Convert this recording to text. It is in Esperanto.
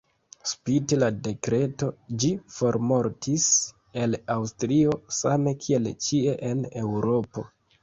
Spite la dekreto, ĝi formortis el Aŭstrio same kiel ĉie en Eŭropo.